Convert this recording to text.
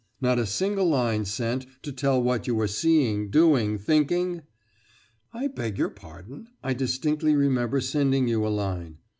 Not a single line sent to tell what you were seeing, doing, thinking?" "I beg your pardon I distinctly remember sending you a line."